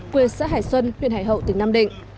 quê xã hải xuân huyện hải hậu tỉnh nam định